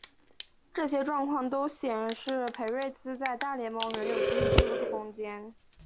这些状况都显示裴瑞兹在大联盟仍有继续进步的空间。